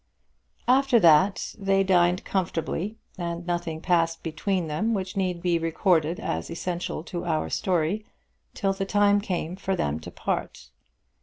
After that they dined comfortably, and nothing passed between them which need be recorded as essential to our story till the time came for them to part.